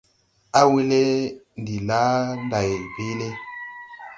Awelɛ ndi da laa nday peele.